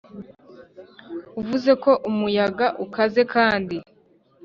uvuze ko umuyaga ukaze, kandi,